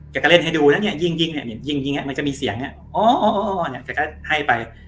แกก็เล่นแฮดูนะเนี่ยยิงมันจะมีเสียงยิงแกก็ให้ไป